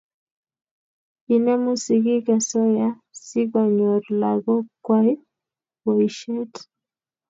inemu sigik asoya sikonyor lagok kwai boishet